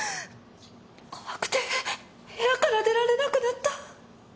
怖くて部屋から出られなくなった。